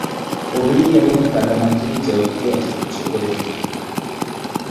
পলি এবং কাদামাটি জলকে অস্বচ্ছ করে ফেলে।